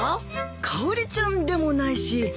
かおりちゃんでもないし。